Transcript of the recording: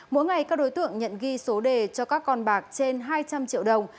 mỗi ngày các đối tượng nhận ghi số đề cho các con bạc trên hai trăm linh triệu đồng